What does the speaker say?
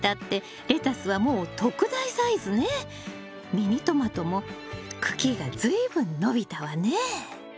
ミニトマトも茎が随分伸びたわね。